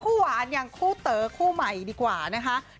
คู่หวานคู่เต๋อคู่ใหม่ดีกว่านะฮะ